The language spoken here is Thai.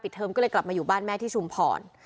เทอมก็เลยกลับมาอยู่บ้านแม่ที่ชุมพร